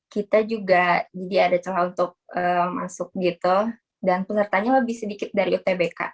kita juga jadi ada celah untuk masuk gitu dan pesertanya lebih sedikit dari utbk